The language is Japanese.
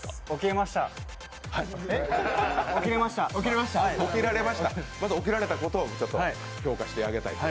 まず起きられたことを評価してあげたいと。